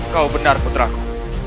kau benar putraku